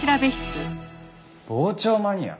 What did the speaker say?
傍聴マニア？